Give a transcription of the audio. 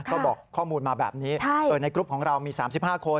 ก็บอกข้อมูลมาแบบนี้ในกรุ๊ปของเรามี๓๕คน